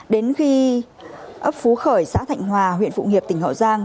đến khi ấp phú khởi xã thạnh hòa huyện phụng hiệp tỉnh hậu giang